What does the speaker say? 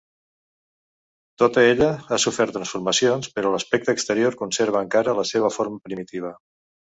Tota ella ha sofert transformacions però l'aspecte exterior conserva encara la seva forma primitiva.